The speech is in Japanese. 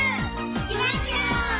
しまじろう！